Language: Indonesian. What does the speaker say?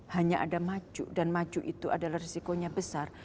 hanya ada maju dan maju itu adalah risikonya besar